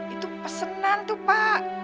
itu pesenan tuh pak